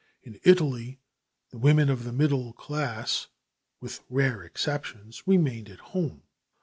In Italy the women of the middle class, with rare exceptions, remained at home.